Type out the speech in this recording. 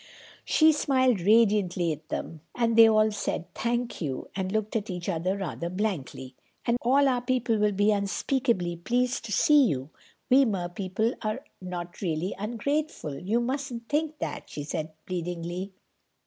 She smiled radiantly at them, and they all said, "Thank you," and looked at each other rather blankly. "All our people will be unspeakably pleased to see you. We Mer people are not really ungrateful. You mustn't think that," she said pleadingly.